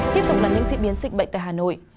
tiếp tục là những diễn biến sinh bệnh tại hà nội